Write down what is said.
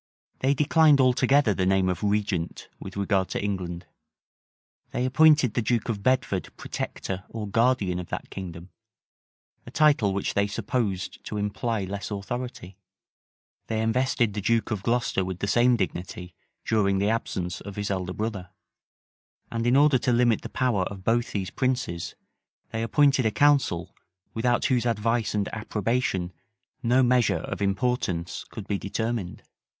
They declined altogether the name of "Regent" with regard to England: they appointed the duke of Bedford "protector" or "guardian" of that kingdom, a title which they supposed to imply less authority: they invested the duke of Glocester with the same dignity during the absence of his elder brother;[*] and in order to limit the power of both these princes, they appointed a council, without whose advice and approbation no measure of importance could be determined.